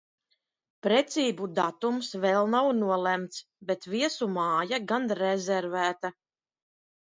Precību datums vēl nav nolemts, bet viesu māja gan reervēta!